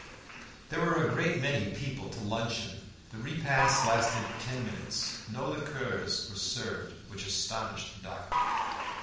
There were a great many people to luncheon. The repast lasted ten minutes; no liqueurs were served, which astonished the doctor.